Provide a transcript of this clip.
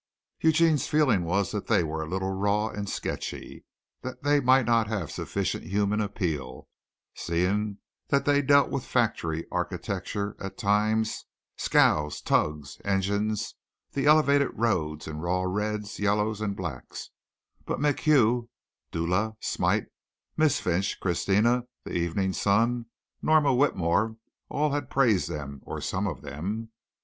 Eugene's feeling was that they were a little raw and sketchy that they might not have sufficient human appeal, seeing that they dealt with factory architecture at times, scows, tugs, engines, the elevated roads in raw reds, yellows and blacks; but MacHugh, Dula, Smite, Miss Finch, Christina, the Evening Sun, Norma Whitmore, all had praised them, or some of them.